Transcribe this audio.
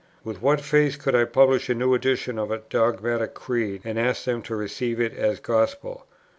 With what face could I publish a new edition of a dogmatic creed, and ask them to receive it as gospel?